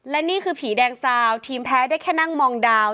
และนี่คือผีแดงซาวทีมแพ้ได้แค่นั่งมองดาว